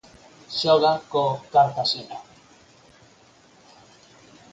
Xoga co Cartaxena.